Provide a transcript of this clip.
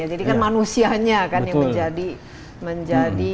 jadi kan manusianya yang menjadi